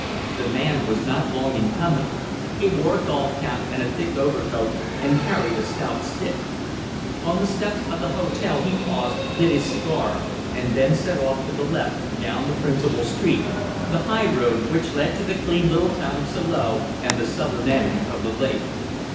The man was not long in coming. He wore a golf cap and a thick overcoat, and carried a stout stick. On the steps of the hotel he paused, lit his cigar, and then set off to the left, down the principal street the highroad which led to the clean little town of Salo and the southern end of the lake.